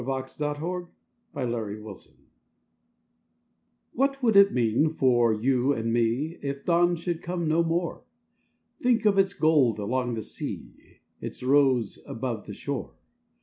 THE MIRACLE OF THE DAWN What would it mean for you and me If dawn should come no more! Think of its gold along the sea, Its rose above the shore!